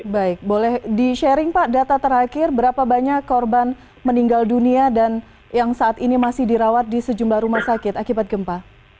baik boleh di sharing pak data terakhir berapa banyak korban meninggal dunia dan yang saat ini masih dirawat di sejumlah rumah sakit akibat gempa